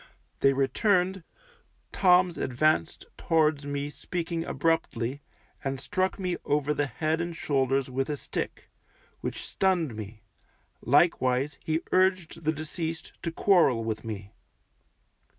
They returned, Toms advanced towards me speaking abruptly, and struck me over the head and shoulders with a stick, which stunned me; likewise he urged the deceased to quarrel with me.